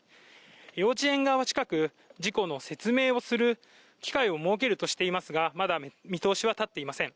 幼稚園側は近く、事故の説明をする機会を設けるとしていますがまだ見通しは立っていません。